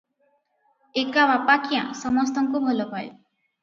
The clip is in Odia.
ଏକା ବାପା କ୍ୟାଁ, ସମସ୍ତଙ୍କୁ ଭଲପାଏ ।